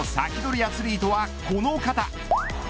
アツリートはこの方。